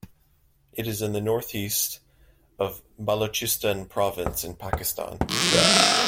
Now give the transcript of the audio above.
It is in the northeast of Balochistan province in Pakistan.